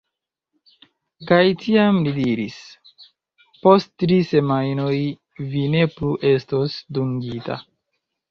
Kaj tiam li diris "Post tri semajnoj, vi ne plu estos dungita."